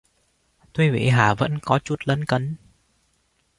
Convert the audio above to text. tuy vậy Hà vẫn có chút lấn cấn